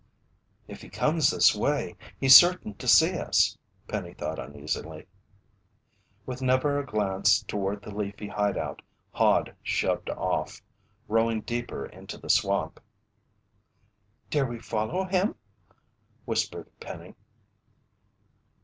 "If he comes this way, he's certain to see us!" Penny thought uneasily. With never a glance toward the leafy hideout, Hod shoved off, rowing deeper into the swamp. "Dare we follow him?" whispered Penny.